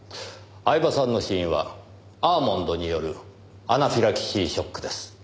饗庭さんの死因はアーモンドによるアナフィラキシーショックです。